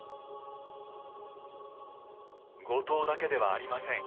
後藤だけではありません。